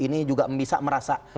ini juga bisa merasa